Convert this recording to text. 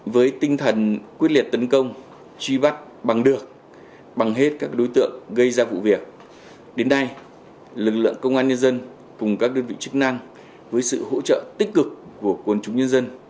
với tinh thần quyết liệt tấn công truy bắt bằng được bằng hết các đối tượng gây ra vụ việc đến nay lực lượng công an nhân dân cùng các đơn vị chức năng với sự hỗ trợ tích cực của quân chúng nhân dân